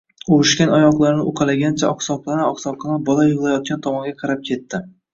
Uvishgan oyoqlarini uqalagancha oqsoqlana-oqsoqlana bola yig‘layotgan tomonga qarab ketdi.